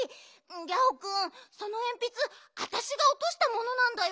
ギャオくんそのえんぴつわたしがおとしたものなんだよ。